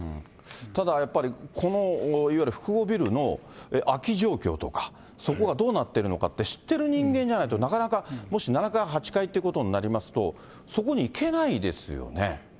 ただやっぱり、このいわゆる複合ビルの空き状況とか、そこがどうなってるのかって知ってる人間じゃないと、なかなかもし７階、８階ということになりますと、そこに行けないですよね。